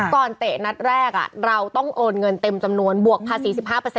เตะนัดแรกเราต้องโอนเงินเต็มจำนวนบวกภาษี๑๕